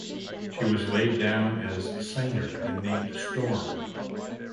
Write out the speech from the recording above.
She was laid down as seiner and named "Storm".